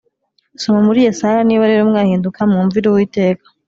Soma muri Yesaya Niba rero mwahinduka mwumvire uwiteka